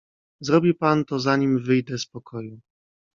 "Zrobi pan to zanim wyjdę z pokoju."